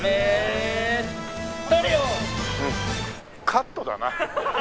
カットだな。